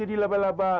anda mengingatkan kansas